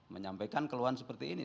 menyampaikan keluhan seperti ini